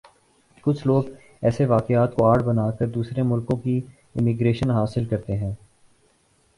کُچھ لوگ ایسے واقعات کوآڑ بنا کردوسرے ملکوں کی امیگریشن حاصل کرتے ہیں